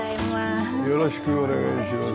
よろしくお願いします。